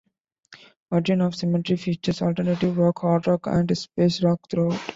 "Origin of Symmetry" features alternative rock, hard rock, and space rock throughout.